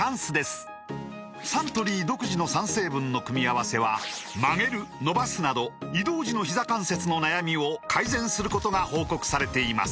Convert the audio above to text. サントリー独自の３成分の組み合わせは曲げる伸ばすなど移動時のひざ関節の悩みを改善することが報告されています